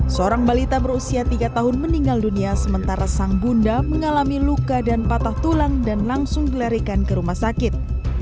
seorang balita berusia tiga tahun meninggal dunia sementara sang bunda mengalami luka dan patah tulang dan langsung dilarikan ke rumah sakit